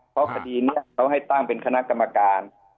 เพราะคดีนี้เขาให้ตั้งเป็นคณะกรรมการ